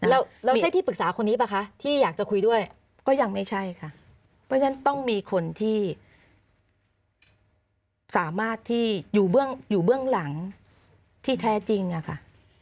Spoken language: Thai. แล้วเราใช้ที่ปรึกษาคนนี้ป่ะคะที่อยากจะคุยด้วยก็ยังไม่ใช่ค่ะเพราะฉะนั้นต้องมีคนที่สามารถที่อยู่เบื้องหลังที่แท้จริงอะค่ะ